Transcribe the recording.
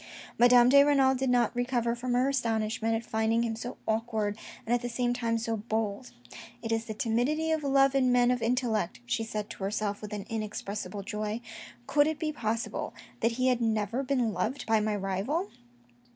Madame de Renal did not recover from her astonishment at finding him so awkward and at the same time so bold. " It is the timidity of love in men of intellect," she said to herself with an inexpressible joy. " Could it be possible that he had never been loved by my rival